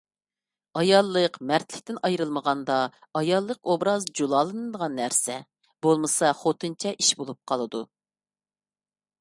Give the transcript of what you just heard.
ئاياللىق مەردلىكتىن ئايرىلمىغاندا ئاياللىق ئوبراز جۇلالىنىدىغان نەرسە. بولمىسا خوتۇنچە ئىش بولۇپ قالىدۇ.